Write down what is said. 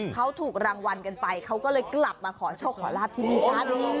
เขาถูกรางวัลกันไปเขาก็เลยกลับมาขอโชคขอลาบที่นี่กัน